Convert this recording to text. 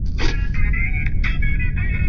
তোমার ঘোটক লইলাম।